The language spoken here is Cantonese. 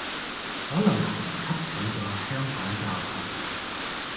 可能係汲取咗香港教訓